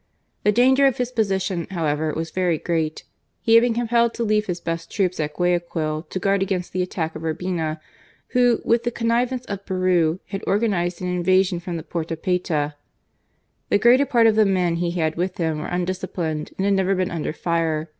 The danger of his position, however, was very great. He had been compelled to leave his best troops at Guaya quil to guard against the attack of Urbina, who, with the connivance of Peru, had organized an invasion from the port of Payta. The greater part of the men he had with him were undisciplined and had never been under fire.